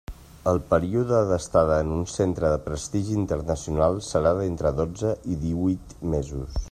El període d'estada en un centre de prestigi internacional serà entre dotze i díhuit mesos.